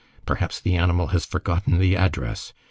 Perhaps the animal has forgotten the address!